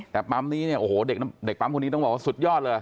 แต่ปั๊มนี้เนี่ยโอ้โหเด็กปั๊มคนนี้ต้องบอกว่าสุดยอดเลย